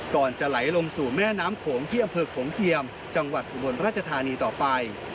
ก่อนจะไหลลงสู่แม่น้ำโขงที่อำเภอโขงเจียมจังหวัดอุบลราชธานีต่อไป